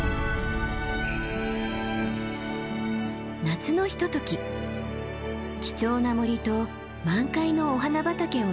夏のひととき貴重な森と満開のお花畑を楽しむ大山です。